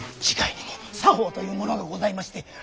自害にも作法というものがございまして。